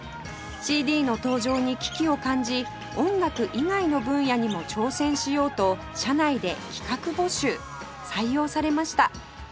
ＣＤ の登場に危機を感じ音楽以外の分野にも挑戦しようと社内で企画募集採用されました